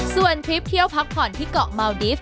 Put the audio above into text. ส่วนทริปเที่ยวพักผ่อนที่เกาะเมาดิฟต